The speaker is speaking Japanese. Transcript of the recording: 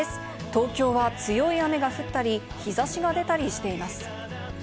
東京は強い雨が降ったり、日差しが出たりしています。